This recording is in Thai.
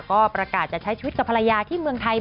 ก็ประกาศจะใช้ชีวิตกับภรรยาที่เมืองไทย